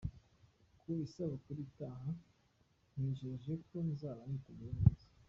Ku isabukuru itaha nkwijeje ko nzaba niteguye neza.